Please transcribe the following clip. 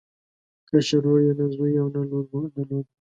کشر ورور یې نه زوی او نه لور درلوده.